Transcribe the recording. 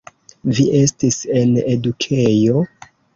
Vi estis en edukejo?